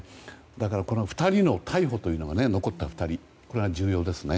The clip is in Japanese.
だからこの２人の逮捕というのが残った２人その逮捕、これが重要ですね。